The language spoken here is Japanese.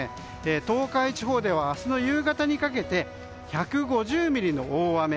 東海地方では明日の夕方にかけて１５０ミリの大雨。